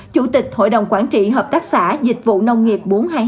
chủ tịch hội đồng quản trị hợp tác xã dịch vụ nông nghiệp bốn trăm hai mươi